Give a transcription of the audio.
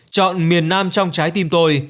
chọn miền nam trong trái tim tôi